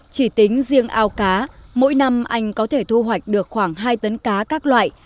chỉ tính riêng ao cá mỗi năm anh có thể thu hoạch được khoảng hai tấn cá các loại